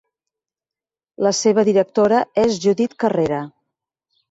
La seva directora és Judit Carrera.